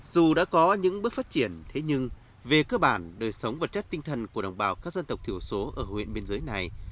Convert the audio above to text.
dù đã có những bước phát triển thế nhưng về cơ bản đời sống vật chất tinh thần của đồng bào các dân tộc thiểu số ở huyện biên giới này